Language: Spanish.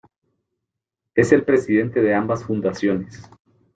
Es el presidente de ambas fundaciones.